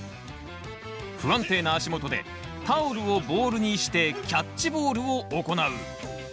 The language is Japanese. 不安定な足元でタオルをボールにしてキャッチボールを行う。